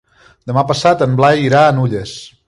Demà passat en Blai irà a Nulles.